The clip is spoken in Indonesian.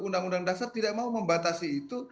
undang undang dasar tidak mau membatasi itu